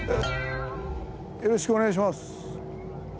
よろしくお願いします。